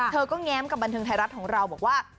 เธอก็แง้มกับบันเทิงไทยรัฐของเราบอกว่า